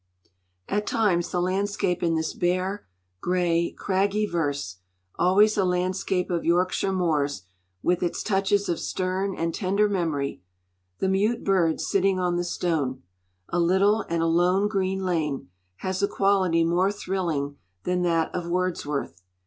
At times the landscape in this bare, grey, craggy verse, always a landscape of Yorkshire moors, with its touches of stern and tender memory, 'The mute bird sitting on the stone,' 'A little and a lone green lane,' has a quality more thrilling than that of Wordsworth.